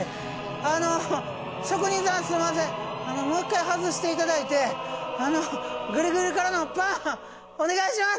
あの職人さんすんませんもう一回外していただいてあのグリグリからのパンお願いします。